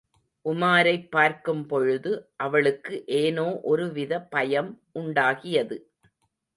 உமாரைப் பார்க்கும்பொழுது அவளுக்கு ஏனோ ஒரு வித பயம் உண்டாகியது.